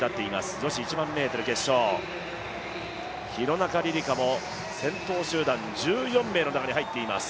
女子１００００ｍ決勝、廣中璃梨佳も先頭集団１４名の中に入っています。